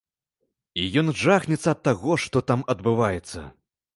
І ён жахнецца ад таго, што там адбываецца.